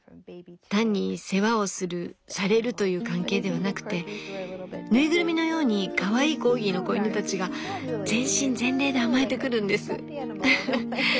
単に世話をするされるという関係ではなくて縫いぐるみのようにかわいいコーギーの子犬たちが全身全霊で甘えてくるんです。